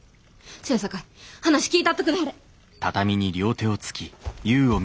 せやさかい話聞いたっとくなはれ。